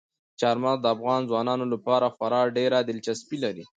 چار مغز د افغان ځوانانو لپاره خورا ډېره دلچسپي لري.